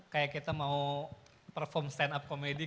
kayak kita mau perform stand up komedi